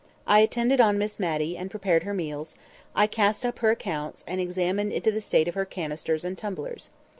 I attended on Miss Matty, and prepared her meals; I cast up her accounts, and examined into the state of her canisters and tumblers.